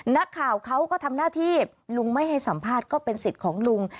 นักข่าวเขาก็ทำหน้าที่ลุงไม่ให้สัมภาษณ์ก็เป็นสิทธิ์ของลุง